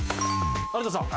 有田さん。